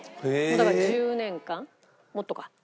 だから１０年間もっとか。